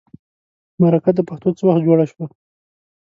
مرکه د پښتو څه وخت جوړه شوه.